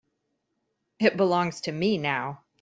It belongs to me now.